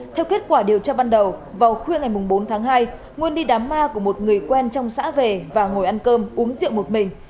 theo kết quả điều tra ban đầu vào khuya ngày bốn tháng hai nguyên đi đám ma của một người quen trong xã về và ngồi ăn cơm uống rượu một mình